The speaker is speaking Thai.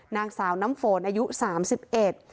นางสาวน้ำฝนอายุสามสิบเอ็ด